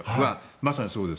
まさにそうです。